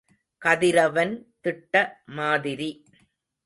கதிரவன் திட்ட மாதிரி.